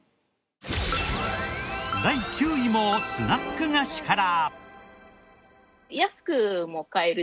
第９位もスナック菓子から。